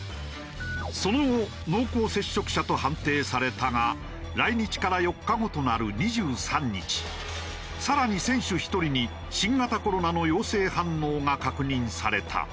その後濃厚接触者と判定されたが来日から４日後となる２３日更に選手１人に新型コロナの陽性反応が確認された。